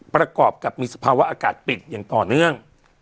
ประกอบกับมีสภาวะอากาศปิดอย่างต่อเนื่อง